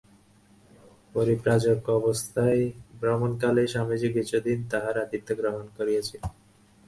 পরিব্রাজক অবস্থায় ভ্রমণকালে স্বামীজী কিছুদিন তাঁহার আতিথ্য গ্রহণ করিয়াছিলেন।